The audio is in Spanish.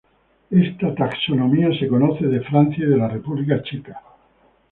Esta taxonomía se conoce de Francia y de la República Checa.